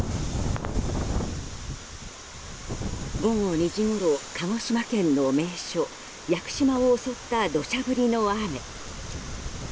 午後２時ごろ、鹿児島県の名所屋久島を襲った土砂降りの雨。